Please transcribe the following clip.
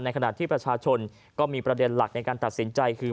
ขณะที่ประชาชนก็มีประเด็นหลักในการตัดสินใจคือ